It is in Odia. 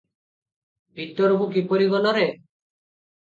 "ଭିତରକୁ କିପରି ଗଲ ରେ?"